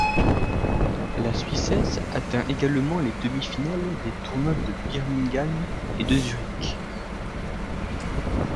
La Suissesse atteint également les demi-finales des tournois de Birmingham et de Zurich.